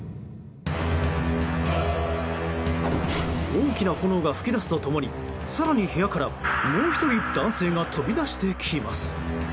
大きな炎が噴き出すと共に更に、部屋からもう１人男性が飛び出してきます。